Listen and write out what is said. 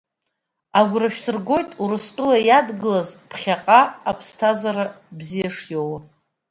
Агәра шәсыргоит, Урыстәыла иадгылаз аԥхьаҟа иԥсҭазаара шыбзиахо.